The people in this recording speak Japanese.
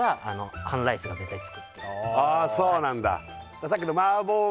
ああそうなんだ